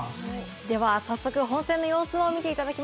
では早速本戦の様子を見ていただきましょう。